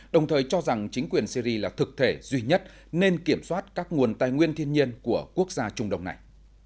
đồng thời cho rằng chính quyền syri là thực thể duy nhất nên kiểm soát các nguồn tài nguyên thiên nhiên của quốc gia trung đông này